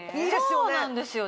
そうなんですよ